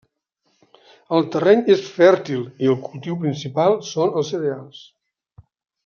El terreny és fèrtil i el cultiu principal són els cereals.